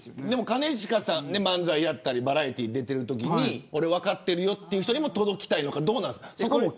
兼近さん漫才やったりバラエティーに出ているときに分かっているよという人にも届きたいのかどうなんですか。